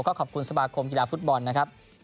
ขอบคุณสมาคมกีฬาฟุตบอลนะครับ